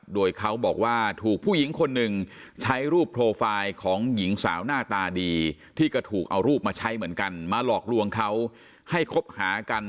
โดยเขาบอกว่าถูกผู้หญิงคนหนึ่งใช้รูปโปรไฟล์ของหญิงสาวหน้าตาดีที่ก็ถูกเอารูปมาใช้เหมือนกันมาหลอกลวงเขาให้คบหากัน